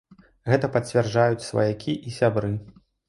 Гэта пацвярджаюць сваякі і сябры.